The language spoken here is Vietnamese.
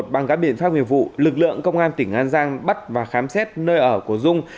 bằng các biện pháp nghiệp vụ lực lượng công an tỉnh an giang bắt và khám xét nơi ở của dung